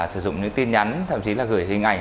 sử dụng những tin nhắn thậm chí là gửi hình ảnh